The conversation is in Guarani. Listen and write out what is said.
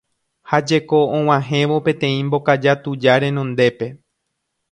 Ha jeko og̃uahẽvo peteĩ mbokaja tuja renondépe.